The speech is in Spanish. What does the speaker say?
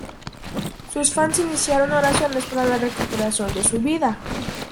Sus fans iniciaron oraciones para la recuperación de su vida.